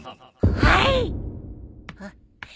はい。